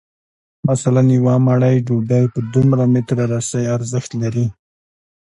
مثلاً یوه مړۍ ډوډۍ په دوه متره رسۍ ارزښت لري